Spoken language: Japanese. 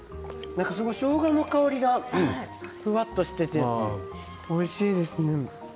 しょうがの香りがふわっとしていて、おいしいです。